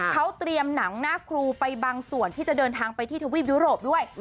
เขาเตรียมหนังหน้าครูไปบางส่วนที่จะเดินทางไปที่ทวีปยุโรปด้วย